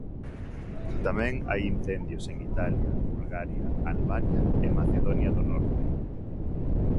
Tamén hai incendios en Italia, Bulgaria, Albania e Macedonia do Norte.